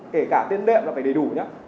kể cả tên đệm là phải đầy đủ nhé